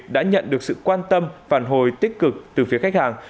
trong mùa dịch đã nhận được sự quan tâm phản hồi tích cực từ phía khách hàng